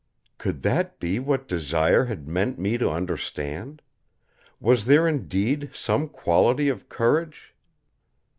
Could that be what Desire had meant me to understand? Was there indeed some quality of courage